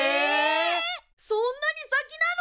そんなに先なの！？